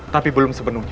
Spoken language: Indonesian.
tapi belum sepenuhnya